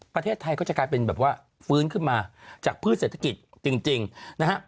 ประเทศไทยก็จะกลายเป็นแบบว่าฟื้นขึ้นมาจากพืชเศรษฐกิจจริงนะฮะ